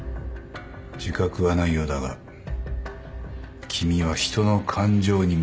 自覚はないようだが君は人の感情に目を向けている。